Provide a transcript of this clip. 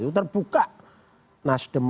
itu terbuka nasdemohon